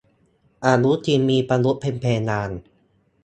อนุทินมีประยุทธ์เป็นเพดาน